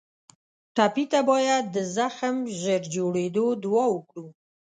ټپي ته باید د زخم ژر جوړېدو دعا وکړو.